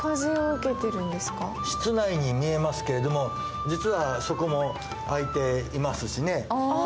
室内に見えますけれども実はそこも開いてますしね。